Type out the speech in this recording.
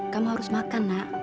kamu harus makan nak